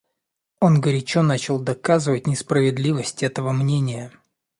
Он горячо начал доказывать несправедливость этого мнения.